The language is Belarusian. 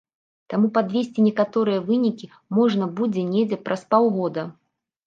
Таму падвесці некаторыя вынікі можна будзе недзе праз паўгода.